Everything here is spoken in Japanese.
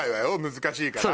難しいから。